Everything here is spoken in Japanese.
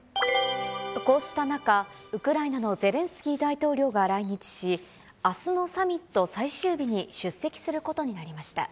こうした中、ウクライナのゼレンスキー大統領が来日し、あすのサミット最終日に出席することになりました。